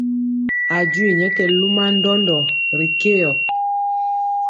A jwii nyɛ kɛ luma ndɔndɔ ri keyɔ.